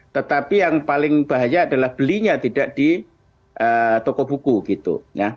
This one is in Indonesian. tetapi yang paling bahaya adalah belinya tidak di toko buku gitu